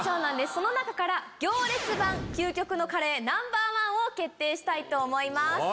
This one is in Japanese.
その中から行列版究極のカレーＮｏ．１を決定したいと思います。